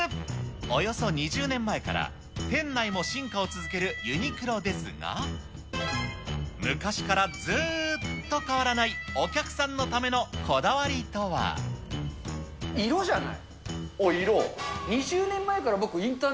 およそ２０年前から、店内も進化を続けるユニクロですが、昔からずーっと変わらない、色じゃない？